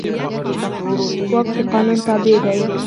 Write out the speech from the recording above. واک د قانون تابع دی.